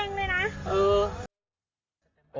เออ